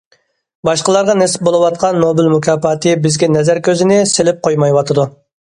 باشقىلارغا نېسىپ بولۇۋاتقان نوبېل مۇكاپاتى بىزگە نەزەر كۆزىنى سېلىپ قويمايۋاتىدۇ.